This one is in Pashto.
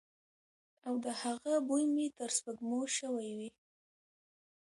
او د هغه بوی مې تر سپوږمو شوی وی.